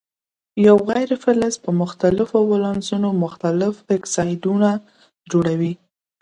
یو غیر فلز په مختلفو ولانسو مختلف اکسایدونه جوړوي.